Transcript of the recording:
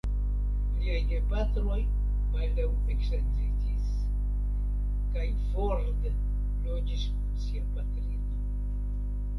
Liaj gepatroj baldaŭ eksedziĝis kaj Ford loĝis kun sia patrino.